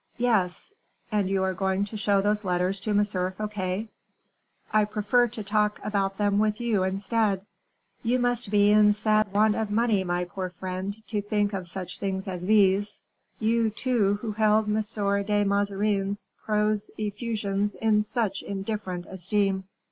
"Yes." "And you are going to show those letters to M. Fouquet?" "I prefer to talk about them with you, instead." "You must be in sad want of money, my poor friend, to think of such things as these you, too, who held M. de Mazarin's prose effusions in such indifferent esteem."